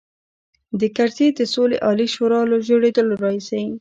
د کرزي د سولې عالي شورا له جوړېدلو راهیسې.